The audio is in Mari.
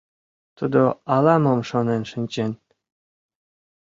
Тудо ала-мом шонен шинчен.